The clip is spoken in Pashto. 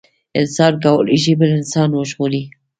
انسان کولي شي بل انسان وژغوري